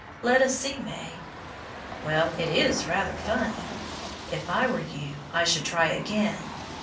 Let us see, May. Well, it is rather funny. If I were you, I should try again.